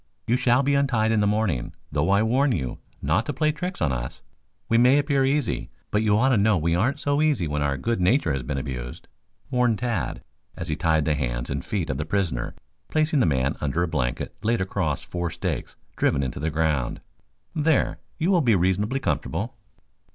You shall be untied in the morning, though I warn you not to play tricks on us. We may appear easy, but you ought to know we aren't so easy when our good nature has been abused," warned Tad as he tied the hands and feet of the prisoner, placing the man under a blanket laid across four stakes driven into the ground. "There, I think you will be reasonably comfortable."